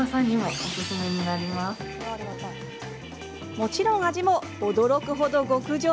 もちろん味も、驚くほど極上。